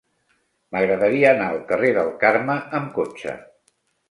M'agradaria anar al carrer del Carme amb cotxe.